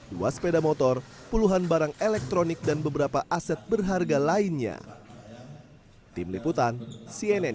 dua sepeda motor puluhan barang elektronik dan beberapa aset berharga lainnya tim liputan cnn